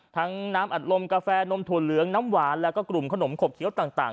น้ำอัดลมกาแฟนมถั่วเหลืองน้ำหวานแล้วก็กลุ่มขนมขบเคี้ยวต่าง